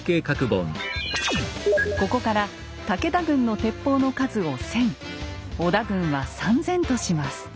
ここから武田軍の鉄砲の数を１，０００織田軍は３，０００とします。